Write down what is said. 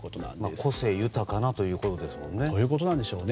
個性豊かなということでしょうね。